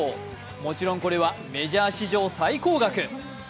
もちろん、これはメジャー史上最高額。